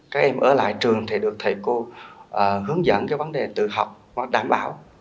các em ở lại trường được thầy cô hướng dẫn vấn đề tự học đảm bảo